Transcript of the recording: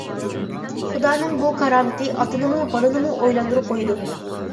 خۇدانىڭ بۇ كارامىتى ئاتىنىمۇ، بالىنىمۇ ئويلاندۇرۇپ قويىدۇ.